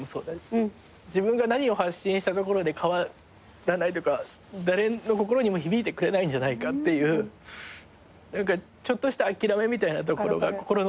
自分が何を発信したところで変わらないというか誰の心にも響いてくれないんじゃないかっていうちょっとした諦めみたいなところが心のどこかにあって。